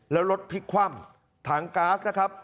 และรถพีคคว่ำถังกาสนะครับ